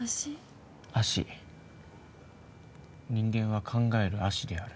「人間は考える葦である」